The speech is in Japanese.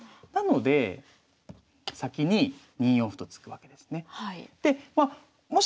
なので先に２四歩と突くわけですね。